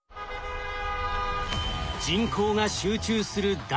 人口が集中する大都市。